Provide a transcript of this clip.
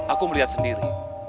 aku melihat sendiri